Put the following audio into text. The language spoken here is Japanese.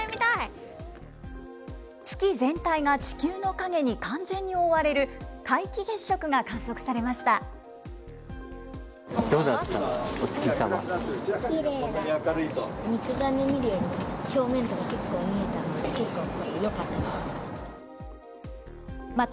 月全体が地球の影に完全に覆われる、皆既月食が観測されました。